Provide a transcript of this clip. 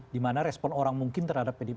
dimana respon orang mungkin terhadap pdip